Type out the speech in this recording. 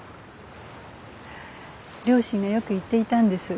両親がよく言っていたんです。